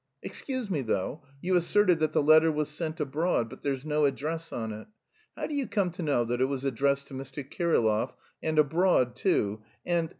"Excuse me, though. You asserted that the letter was sent abroad, but there's no address on it; how do you come to know that it was addressed to Mr. Kirillov and abroad too and...